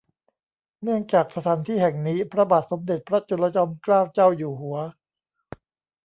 เนื่องจากสถานที่แห่งนี้พระบาทสมเด็จพระจุลจอมเกล้าเจ้าอยู่หัว